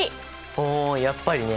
ほうやっぱりね！